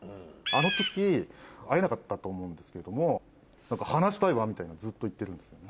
あの時会えなかったと思うんですけれども話したいわみたいなずっと言ってるんですよね。